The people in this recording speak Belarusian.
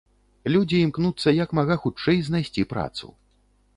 Людзі імкнуцца як мага хутчэй знайсці працу.